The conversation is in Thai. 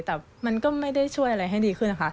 แต่มันก็ไม่ได้ช่วยอะไรให้ดีขึ้นนะคะ